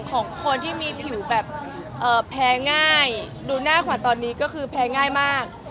ของคนที่มีผิวแบบแพ้ง่ายดูหน้าขวัญตอนนี้ก็คือแพ้ง่ายมาก